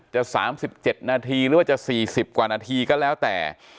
จะ๓๗นาทีหรือจะสี่สิบกว่านาทีก็แล้วแต่